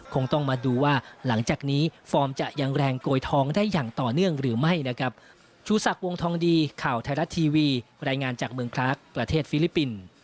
คงต้องมาดูว่าหลังจากนี้ฟอร์มจะยังแรงโกยทองได้อย่างต่อเนื่องหรือไม่นะครับฟิลิปปินส์